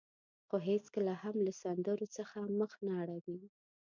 خو هېڅکله هم له سندرو څخه مخ نه اړوي.